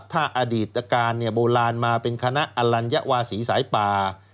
ถ้าอดีตการโบราณมาเป็นคณะอลัญวาศีสายป่า